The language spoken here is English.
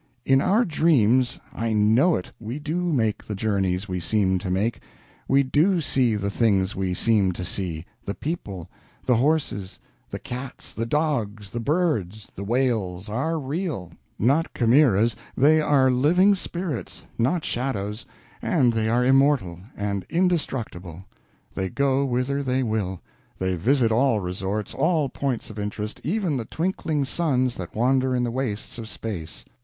In our dreams I know it! we do make the journeys we seem to make: we do see the things we seem to see; the people, the horses, the cats, the dogs, the birds, the whales, are real, not chimeras; they are living spirits, not shadows; and they are immortal and indestructible. They go whither they will; they visit all resorts, all points of interest, even the twinkling suns that wander in the wastes of space.